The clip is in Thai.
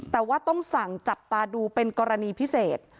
แต่ว่าต้องสั่งจับตาดูเป็นกรณีพิเศษ